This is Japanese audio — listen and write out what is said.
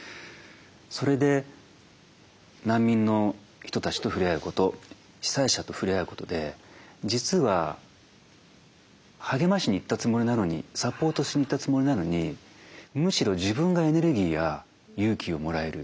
それで難民の人たちと触れ合うこと被災者と触れ合うことで実は励ましに行ったつもりなのにサポートしに行ったつもりなのにむしろ自分がエネルギーや勇気をもらえる。